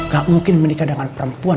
gak mungkin menikah dengan perempuan